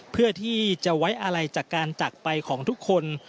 เพื่อที่จะไว้อะไรจากการจักรไปของทุกคน